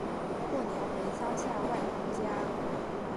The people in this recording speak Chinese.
过年回乡下外公家